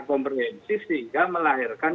komprehensif sehingga melahirkan